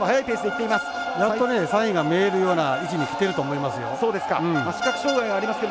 やっと３位が見えるような位置にきてると思いますよ。